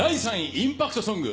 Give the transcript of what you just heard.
第３位、インパクトソング。